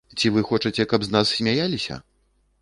Ці вы хочаце, каб з нас смяяліся?